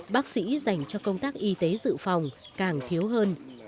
bác sĩ dành cho công tác y tế dự phòng càng thiếu hơn